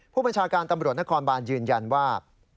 ผู้บัญชาการตำรวจนครบานยืนยันว่า